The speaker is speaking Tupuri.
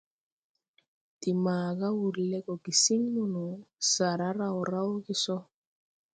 De maaga wur lɛʼ gɔ gesiŋ mono, saara raw rawge sɔ.